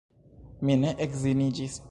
Mi ne edziniĝis.